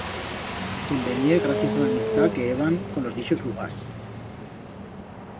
Se'n venié gracias a l'amistat que heban con los d'ixos lugars.